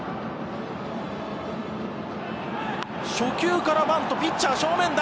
初球からバントピッチャー、正面だ。